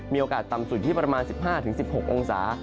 มีโอกาสต่ำสุดที่ประมาณ๑๕๑๖องศา